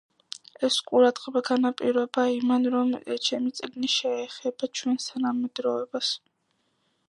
ეს ყურადღება განაპირობა იმან, რომ ჩემი წიგნი შეეხება ჩვენს თანამედროვეობას.